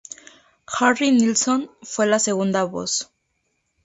Harry Nilsson fue la segunda voz.